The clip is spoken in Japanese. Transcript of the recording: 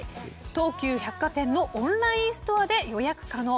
東急百貨店のオンラインストアで予約可能。